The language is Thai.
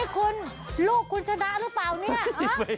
คุณลูกคุณชนะหรือเปล่าเนี่ย